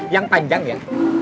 yang panjang ya